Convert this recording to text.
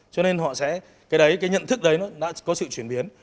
cho nên họ sẽ cái đấy cái nhận thức đấy nó đã có sự chuyển biến